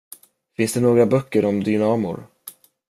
Finns det några böcker om dynamor?